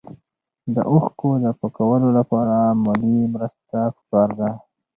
د اوښکو د پاکولو لپاره مالي مرسته پکار ده.